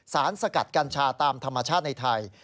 สกัดกัญชาตามธรรมชาติในไทย